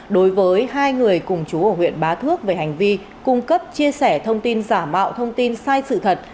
đối với hai người cùng chú ở huyện bá thước về hành vi cung cấp chia sẻ thông tin giả mạo thông tin sai sự thật